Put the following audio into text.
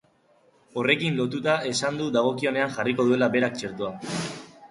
Horrekin lotuta esan du dagokionean jarriko duela berak txertoa.